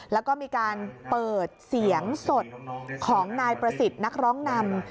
แล้วก็มีการเปิดเสียงสดของนายประสิทธิ์นักร้องนำ